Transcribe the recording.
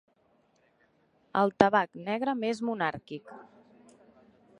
El tabac negre més monàrquic.